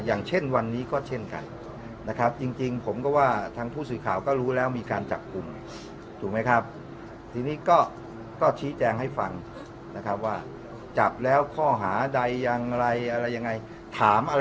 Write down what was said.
อย่างเช่นวันนี้ก็เช่นกันนะครับจริงจริงผมก็ว่าทางผู้สื่อข่าวก็รู้แล้วมีการจับกลุ่ม